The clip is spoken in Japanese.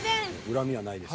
恨みはないです。